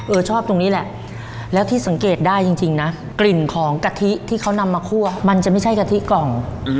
ชอบตรงนี้แหละแล้วที่สังเกตได้จริงนะกลิ่นของกะทิที่เขานำมาคั่วมันจะไม่ใช่กะทิกล่อง